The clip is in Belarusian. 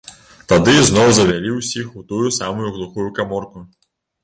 Тады зноў завялі ўсіх у тую самую глухую каморку.